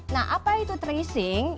nah apa itu tracing